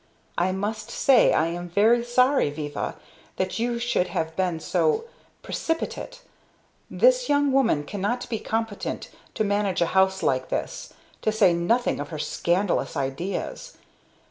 "I must say I am very sorry, Viva, that you should have been so precipitate! This young woman cannot be competent to manage a house like this to say nothing of her scandalous ideas.